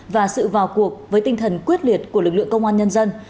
và sự vào cuộc với tinh thần quyết liệt của lực lượng công an nhân dân